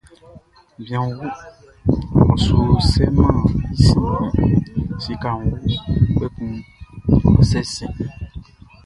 Bianʼn wu, ɔ su sɛmɛn i sin kun; sikaʼn wu, kpɛkun ɔ sa sin.